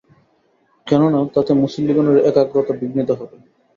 কেননা, তাতে মুসল্লীগণের একাগ্রতা বিঘ্নিত হবে।